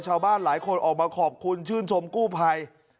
ชาวบ้านหลายคนออกมาขอบคุณชื่นชมกู้ภัย